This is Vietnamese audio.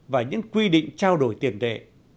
và những quy định trao đổi tiền đệ